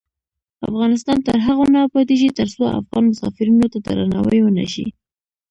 افغانستان تر هغو نه ابادیږي، ترڅو افغان مسافرینو ته درناوی ونشي.